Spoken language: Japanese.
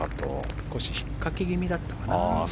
少し引っかけ気味だったかな。